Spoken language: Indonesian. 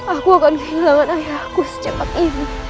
aku akan kehilangan ayahku secepat ini